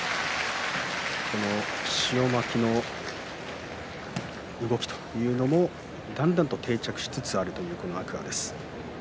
この塩まきの動きというのも、だんだんと定着しつつあるこの天空海です。